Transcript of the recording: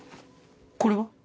これは？